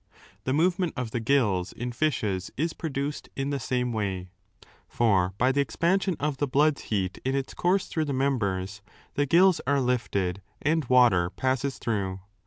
The movement of the gills in fishes is produced in the same way. For by the 6 expansion of the blood's heat in its course through the members, the gills are lifted and water passes through.